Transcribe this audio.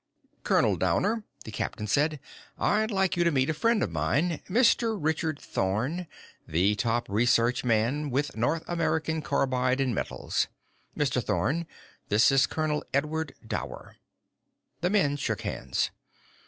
"Colonel Dower," the captain said, "I'd like you to meet a friend of mine Mr. Richard Thorn, the top research man with North American Carbide & Metals. Mr. Thorn, this is Colonel Edward Dower." The men shook hands.